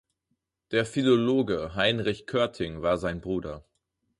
Der Philologe Heinrich Körting war sein Bruder.